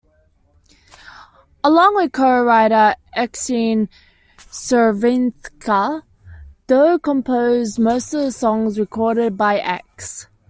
Along with co-writer Exene Cervenka, Doe composed most of the songs recorded by X.